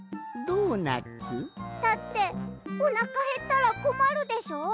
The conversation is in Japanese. だっておなかへったらこまるでしょ？